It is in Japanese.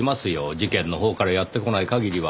事件のほうからやってこない限りは。